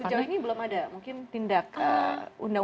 sejauh ini belum ada mungkin tindak undang undang